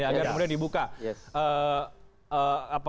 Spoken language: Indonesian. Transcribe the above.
agar kemudian dibuka